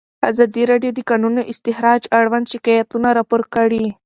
ازادي راډیو د د کانونو استخراج اړوند شکایتونه راپور کړي.